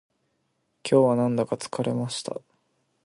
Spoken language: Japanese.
今日はなんだか疲れました